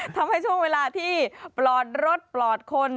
ทำให้ช่วงเวลาที่ปลอดรถปลอดคน